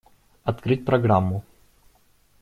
Открыть программу.